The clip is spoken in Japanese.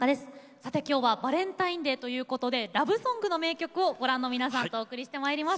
さて今日はバレンタインデーということでラブソングの名曲をご覧の皆さんとお送りしてまいります。